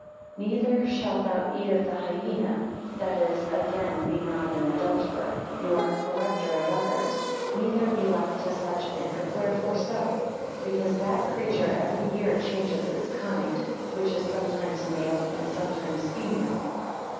8 Neither shalt thou eat of the hyena: that is, again, be not an adulterer, nor a corrupter of others; neither be like to such. And wherefore so? Because that creature every year changes its kind, which is sometimes male and sometimes female.